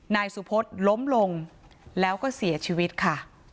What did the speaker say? นายสุพศล้มลงแล้วก็เสียชีวิตค่ะ